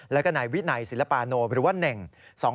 แล้วก็นายวินัยศิลปาโนหรือว่าเน่ง